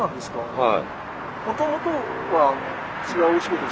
はい。